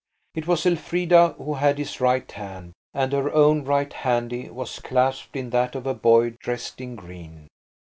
It was Elfrida who had his right hand, and her own right handy was clasped in that of a boy dressed in green.